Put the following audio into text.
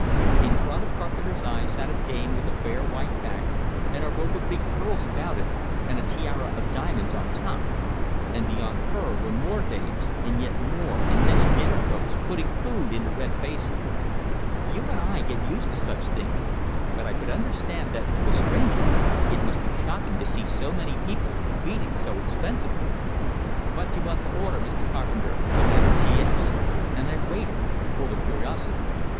In front of Carpenter's eyes sat a dame with a bare white back, and a rope of big pearls about it, and a tiara of diamonds on top; and beyond her were more dames, and yet more, and men in dinner coats, putting food into red faces. You and I get used to such things, but I could understand that to a stranger it must be shocking to see so many people feeding so expensively. "Vot you vant to order, Mr. Carpenter?" demanded T S; and I waited, full of curiosity.